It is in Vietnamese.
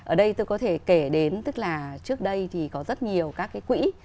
ở đây tôi có thể kể đến tức là trước đây thì có rất nhiều các cái quỹ